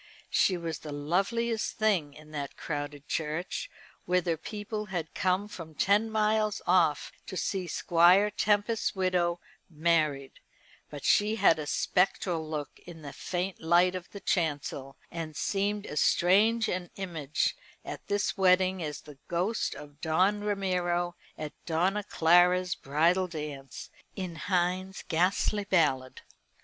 She was the loveliest thing in that crowded church, whither people had come from ten miles off to see Squire Tempest's widow married; but she had a spectral look in the faint light of the chancel, and seemed as strange an image at this wedding as the ghost of Don Ramiro at Donna Clara's bridal dance, in Heine's ghastly ballad.